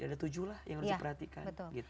ada tujuh lah yang harus diperhatikan